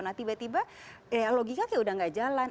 nah tiba tiba ya logika kayak udah gak jalan